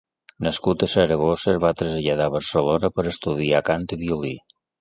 Nascut a Saragossa, es va traslladar a Barcelona per estudiar cant i violí.